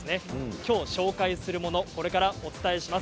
きょう紹介するものをこれからお伝えします。